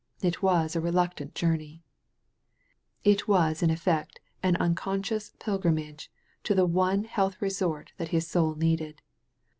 It was a reluctant jovaney. Yet it was in effect an unconscious pilgrimage to the one health resort that his soul needed.